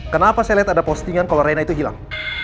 kenapa saya lihat ada postingan kalau reina itu hilang